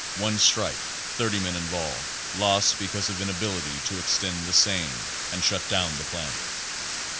One strike; 30 men involved. Lost because of inability to extend the same and shut down the plant.